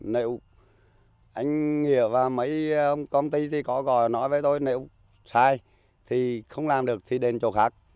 nếu anh nghĩa và mấy công ty thì có nói với tôi nếu sai thì không làm được thì đến chỗ khác